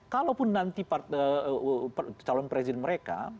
kalaupun nanti calon presiden mereka